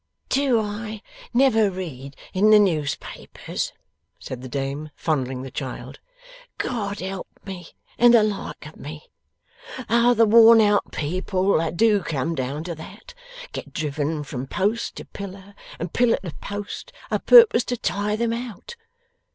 'Do I never read in the newspapers,' said the dame, fondling the child 'God help me and the like of me! how the worn out people that do come down to that, get driven from post to pillar and pillar to post, a purpose to tire them out!